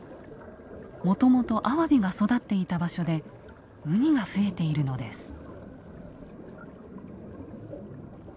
もともとアワビが育っていた場所でウニが増えているのです。